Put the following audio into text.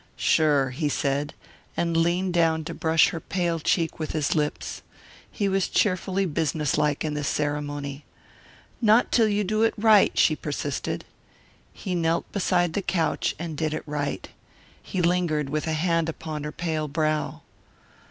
"Sure," he said, and leaned down to brush her pale cheek with his lips. He was cheerfully businesslike in this ceremony. "Not till you do it right," she persisted. He knelt beside the couch and did it right. He lingered with a hand upon her pale brow.